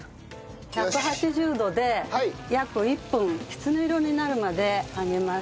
１８０度で約１分きつね色になるまで揚げます。